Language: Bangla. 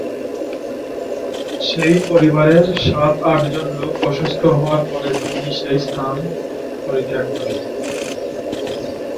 সেই পরিবারের সাত-আটজন লোক অসুস্থ হওয়ার পরে তিনি সেই স্থান পরিত্যাগ করেন।